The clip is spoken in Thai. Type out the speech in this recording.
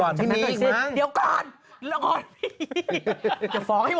ก่อนพี่มีอีกมั้งเดี๋ยวก่อนลองร้อนพี่